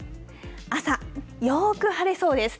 朝、よーく晴れそうです。